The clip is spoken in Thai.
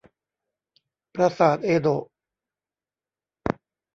ปราสาทเอโดะ